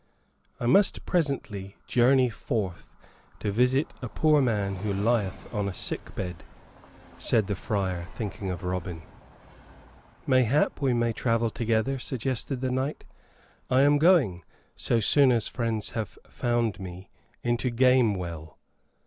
"I must presently journey forth to visit a poor man who lieth on a sick bed," said the friar, thinking of Robin. "Mayhap we may travel together?" suggested the knight. "I am going, so soon as friends have found me, into Gamewell."